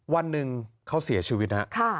วันหนึ่งเขาเสียชีวิตนะครับ